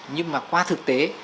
nhưng mà qua thực tế